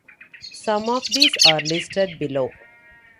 Some of these are listed below.